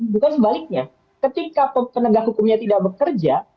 bukan sebaliknya ketika penegak hukumnya tidak bekerja